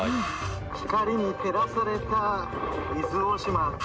光に照らされた伊豆大島。